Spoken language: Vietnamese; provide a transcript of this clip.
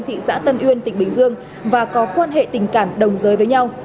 thị xã tân uyên tỉnh bình dương và có quan hệ tình cảm đồng giới với nhau